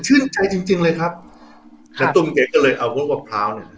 ชื่นใจจริงจริงเลยครับณตุ้มแกก็เลยเอาลูกมะพร้าวเนี่ย